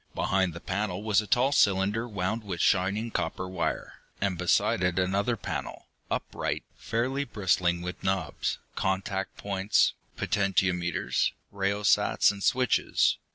Behind the panel was a tall cylinder wound with shining copper wire, and beside it another panel, upright, fairly bristling with knobs, contact points, potentiometers, rheostats and switches.